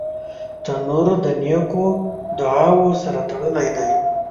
تنور د نیکو دعاوو سره تړلی دی